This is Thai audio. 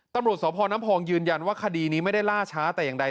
ตำรวจสพน้ำพองยืนยันว่าคดีนี้ไม่ได้ล่าช้าแต่อย่างใด